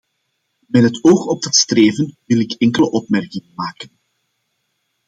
Met het oog op dat streven wil ik enkele opmerkingen maken.